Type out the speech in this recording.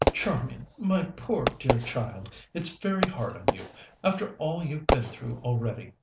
"Charmian, my poor dear child, it's very hard on you, after all you've been through already.